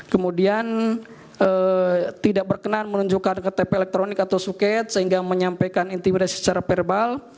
kemudian tidak berkenan menunjukkan ktp elektronik atau suket sehingga menyampaikan intimidasi secara verbal